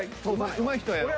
うまい人がやろう。